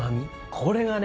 これがね